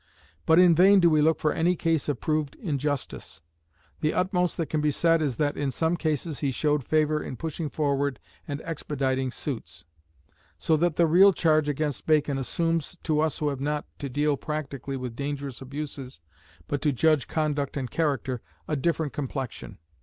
But in vain do we look for any case of proved injustice. The utmost that can be said is that in some cases he showed favour in pushing forward and expediting suits. So that the real charge against Bacon assumes, to us who have not to deal practically with dangerous abuses, but to judge conduct and character, a different complexion.